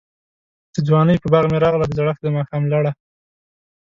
دځوانۍ په باغ می راغله، دزړښت دماښام لړه